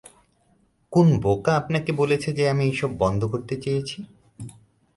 কোন বোকা আপনাকে বলেছে যে আমি এইসব বন্ধ করতে চেয়েছি?